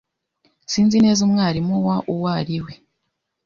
Sinzi neza umwarimu wa uwo ari we.